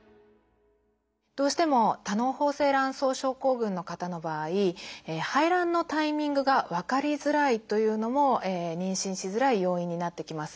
どうしても多嚢胞性卵巣症候群の方の場合排卵のタイミングが分かりづらいというのも妊娠しづらい要因になってきます。